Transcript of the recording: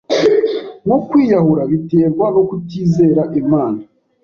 nko kwiyahura biterwa no kutizera Imana